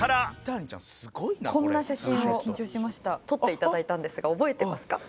こんな写真を撮って頂いたんですが覚えてますか？